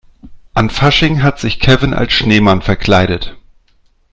An Fasching hat sich Kevin als Schneemann verkleidet.